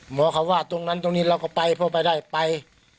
หมอเขาว่าตรงนั้นตรงนี้เราก็ไปเพราะไปได้ไป